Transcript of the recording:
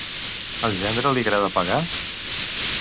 Al gendre li agrada pagar?